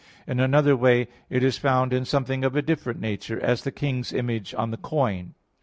In another way it is found in something of a different nature, as the king's image on the coin.